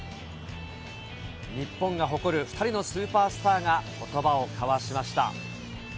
日本が誇る２人のスーパースターがことばを交わしました。